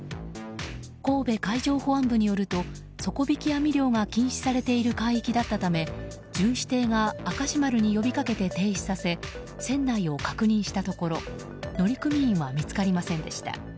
神戸海上保安部によると底引き網漁が禁止されている海域だったため巡視艇が「明石丸」に呼びかけて停止させ船内を確認したところ乗組員は見つかりませんでした。